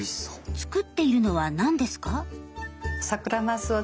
作っているのは何ですか？